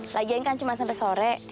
lagian kan cuma sampai sore